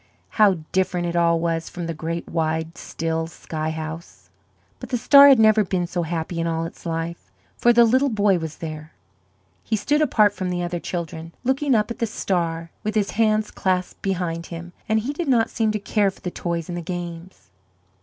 How different it all was from the great wide, still sky house! But the star had never been so happy in all its life; for the little boy was there. He stood apart from the other children, looking up at the star, with his hands clasped behind him, and he did not seem to care for the toys and the games.